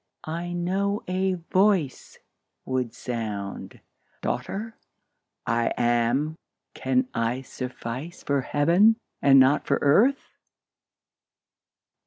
I know a Voice would sound, " Daughter, I AM. Can I suffice for Heaven, and not for earth